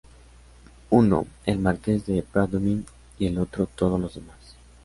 uno, el Marqués de Bradomín, y el otro todos los demás.